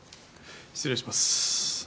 失礼します。